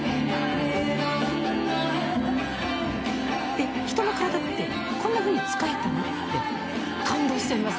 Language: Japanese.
えっ人の体ってこんなふうに使えたの？って感動しちゃいます